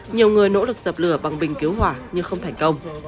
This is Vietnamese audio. nhiều người nỗ lực dập lửa bằng bình cứu hỏa nhưng không thành công